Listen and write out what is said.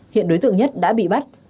hiện đối tượng nhất đã bị bắt